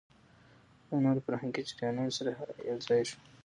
له نورو فرهنګي جريانونو سره يوځاى شو